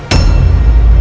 harusnya kamu menjauhi dia